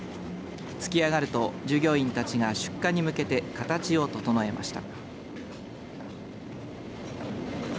つき上がると、従業員たちが出荷に向けて形を整えました。